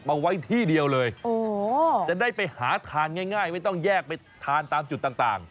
มาไว้ที่เดียวเลยโอ้โหจะได้ไปหาทานง่ายไม่ต้องแยกไปทานตามจุดต่าง